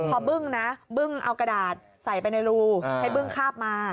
พอบึ้งนะบึ้งเอากระดาษใส่ไปในรูให้บึ้งคาบมา